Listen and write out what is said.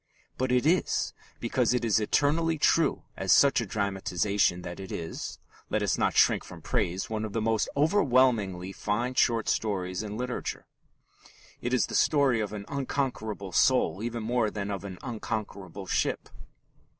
But it is because it is eternally true as such a dramatization that it is let us not shrink from praise one of the most overwhelmingly fine short stories in literature. It is the story of an unconquerable soul even more than of an unconquerable ship.